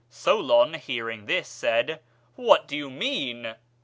Solon, bearing this, said, 'What do you mean?'